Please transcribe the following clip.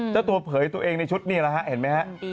เจ้าตัวเผยตัวเองในชุดนี่แหละฮะเห็นไหมฮะ